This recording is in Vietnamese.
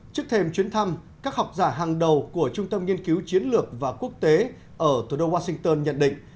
trước thêm chuyến thăm các học giả hàng đầu của trung tâm nghiên cứu chiến lược và quốc tế ở thủ đô washington nhận định